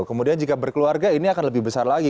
kemudian jika berkeluarga ini akan lebih besar lagi